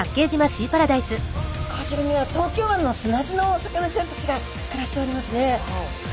こちらには東京湾の砂地のお魚ちゃんたちが暮らしておりますね。